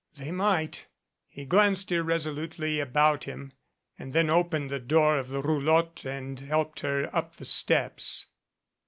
"They might " He glanced irresolutely about him and then opened the door of the roulotte and helped her up the steps.